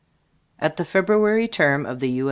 [At the February term of the U.